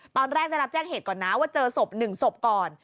ตอนแรกได้รับแจ้งเหตุก่อนนะว่าเจอศพหนึ่งศพก่อน